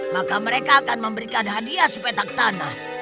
maka mereka akan memberikan hadiah sepetak tanah